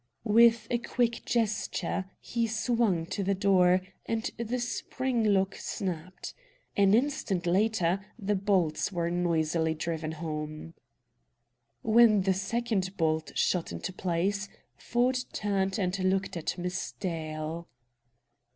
With a quick gesture, he swung to the door, and the spring lock snapped. An instant later the bolts were noisily driven home. When the second bolt shot into place, Ford turned and looked at Miss Dale.